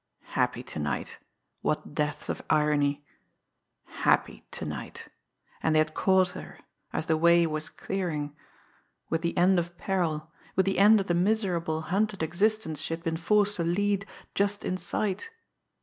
Happy to night what depth of irony! Happy to night and they had caught her as the "way was clearing" with the end of peril, with the end of the miserable, hunted existence she had been forced to lead just in sight!